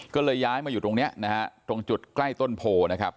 ก็เลยย้ายมาอยู่ตรงนี้นะฮะตรงจุดใกล้ต้นโพนะครับ